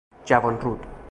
جوانرود